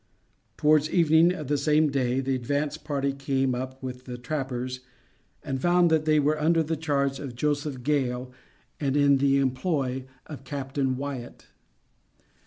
Towards evening of the same day, the advance party came up with the trappers and found that they were under the charge of Joseph Gale and in the employ of Captain Wyatt.